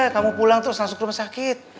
kamu pulang terus langsung ke rumah sakit